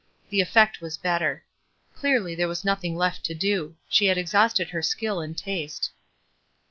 The effect was better. Clearly, there was nothing left to do. She had exhausted her skill and taste.